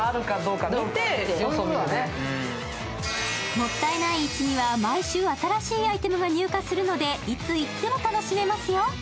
もったいない市には、毎週新しいアイテムが入荷するのでいつ行っても楽しめますよ。